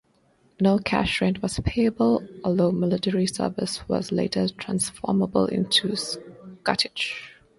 No cash rent was payable, although military service was later transformable into scutage.